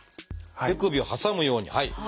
手首を挟むようにはい。